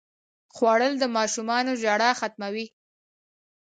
خوړل د ماشوم ژړا ختموي